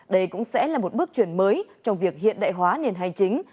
đây cũng sẽ là một bước chuyển mới trong việc hiện đại hóa nền hành chính